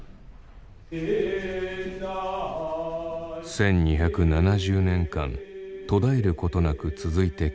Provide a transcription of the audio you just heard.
１２７０年間途絶えることなく続いてきた修二会。